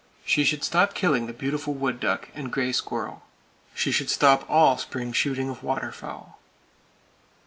She should stop killing the beautiful wood duck, and gray squirrel. She should stop all spring shooting of waterfowl.